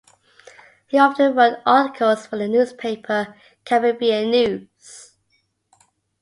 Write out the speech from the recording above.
He often wrote articles for their newspaper "Caribbean News".